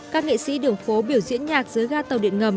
các nghệ sĩ đường phố biểu diễn nhạc dưới ga tàu điện ngầm